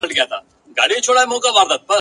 د ونو سیوري تاریک کړی وو !.